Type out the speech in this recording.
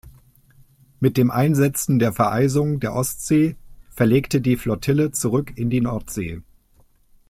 Mit dem Einsetzen der Vereisung der Ostsee verlegte die Flottille zurück in die Nordsee.